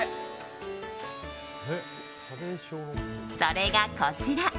それが、こちら。